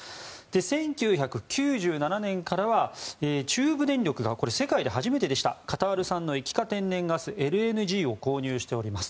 １９９７年からは中部電力が世界で初めてでしたカタール産の液化天然ガス・ＬＮＧを購入しております。